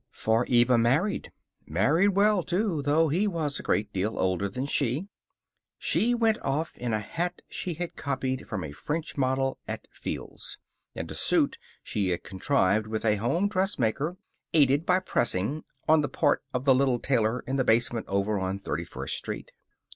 For Eva married. Married well, too, though he was a great deal older than she. She went off in a hat she had copied from a French model at Field's, and a suit she had contrived with a home dressmaker, aided by pressing on the part of the little tailor in the basement over on Thirty first Street.